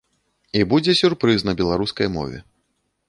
І будзе сюрпрыз на беларускай мове.